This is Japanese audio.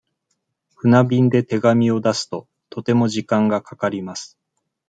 船便で手紙を出すと、とても時間がかかります。